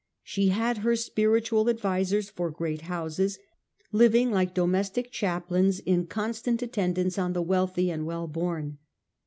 She had her spiritual advisers for great houses, living like domestic chaplains in constant attendance on the wealthy and well born.